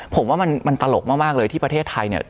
ผมว่ามันตลกมากเลยที่ประเทศไทยเนี่ย